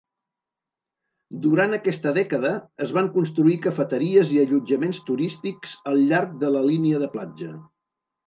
Durant aquesta dècada, es van construir cafeteries i allotjaments turístics al llarg de la línia de platja.